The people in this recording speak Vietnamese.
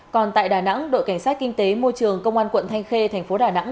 còn tại đà nẵng đội cảnh sát kinh tế môi trường công an quận thanh khê thành phố đà nẵng